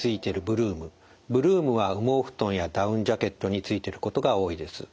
ブルームは羽毛布団やダウンジャケットについていることが多いです。